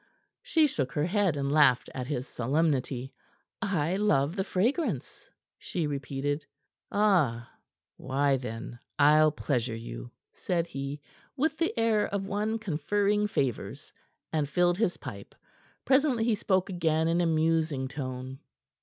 She shook her head, and laughed at his solemnity. "I love the fragrance," she repeated. "Ah! Why, then, I'll pleasure you," said he, with the air of one conferring favors, and filled his pipe. Presently he spoke again in a musing tone.